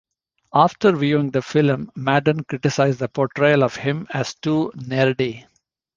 After viewing the film, Madden criticized the portrayal of him as too nerdy.